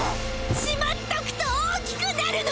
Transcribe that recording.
しまっとくと大きくなるの！